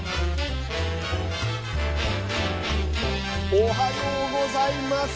おはようございます。